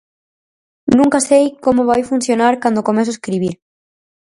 Nunca sei como vai funcionar cando comezo a escribir.